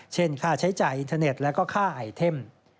ค่าใช้จ่ายอินเทอร์เน็ตแล้วก็ค่าไอเทม